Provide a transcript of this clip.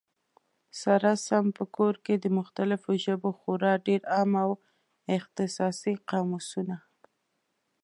سره سم په کور کي، د مختلفو ژبو خورا ډېر عام او اختصاصي قاموسونه